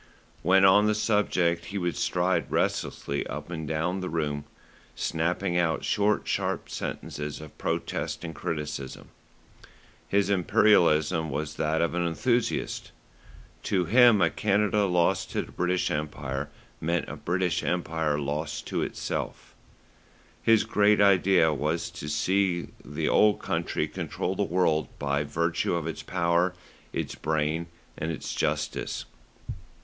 When on the subject he would stride restlessly up and down the room, snapping out short, sharp sentences of protest and criticism. His Imperialism was that of the enthusiast. To him a Canada lost to the British Empire meant a British Empire lost to itself. His great idea was to see the Old Country control the world by virtue of its power, its brain and its justice.